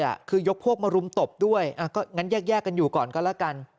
คือยกพวกมารุมตบด้วยก็งั้นแยกกันอยู่ก่อนก็แล้วกัน